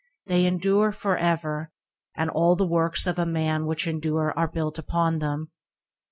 They endure for ever, and all the works of man which endure are built upon them.